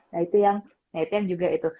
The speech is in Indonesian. nah itu yang netian juga itu